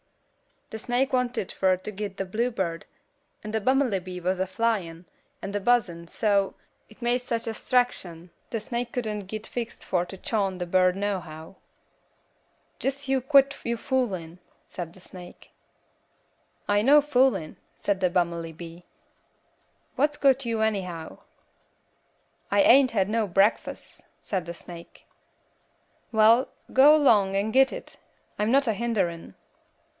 "The snake wanted fur to git the bluebird, and the bummelybee was a flyin, and a buzzin' so, it made such a 'straction the snake couldn't git fixed fur to chawm the bird nohow. "'Jess yuh quit yo' foolin',' said the snake. "'I no foolin',' said the bummelybee, 'what's got yuh anyhow?' "'I ain't had no brekfuss,' said the snake. "'Well go 'long 'n git it; I'm not a hinderin'.'